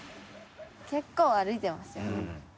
結構歩いてますよね。